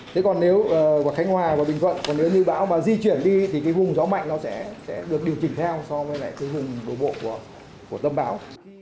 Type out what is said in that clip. thế còn nếu vào khánh hòa và bình thuận còn nếu như bão mà di chuyển đi thì cái vùng gió mạnh nó sẽ được điều chỉnh theo so với lại cái vùng đổ bộ của tâm bão